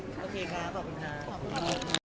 โอเคค่ะขอบคุณค่ะ